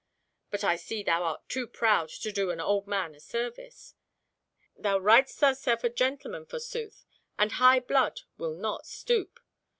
But I see thou art too proud to do an old man a service. Thou writst thyself gentleman, forsooth, and high blood will not stoop."